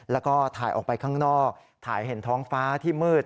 แล้วก็ถ่ายออกไปข้างนอกถ่ายเห็นท้องฟ้าที่มืด